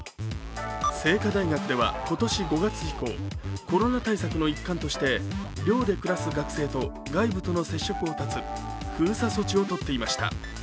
清華大学では今年５月以降、コロナ対策の一環として寮で暮らす学生と外部との接触を断つ封鎖措置を取っていました。